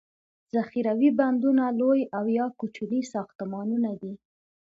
ذخیروي بندونه لوي او یا کوچني ساختمانونه دي.